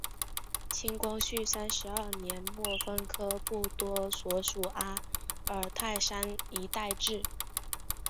清光绪三十二年末分科布多所属阿尔泰山一带置。